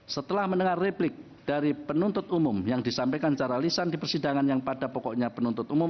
setelah mendengar replik dari penuntut umum yang disampaikan secara lisan di persidangan yang pada pokoknya penuntut umum